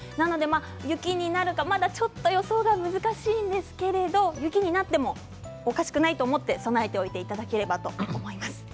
雪になるか、まだちょっと予想が難しいんですけれども雪になってもおかしくないと思って備えておいていただきたいと思います。